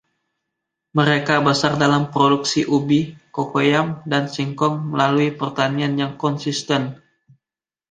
Mereka besar dalam produksi ubi, Cocoyam dan singkong melalui pertanian yang konsisten.